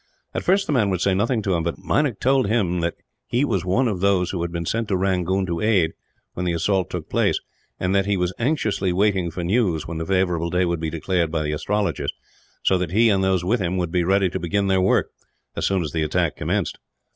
At first the man would say nothing to him, but Meinik told him that he was one of those who had been sent to Rangoon to aid, when the assault took place; and that he was anxiously waiting for news when the favourable day would be declared by the astrologers, so that he and those with him would be ready to begin their work, as soon as the attack commenced.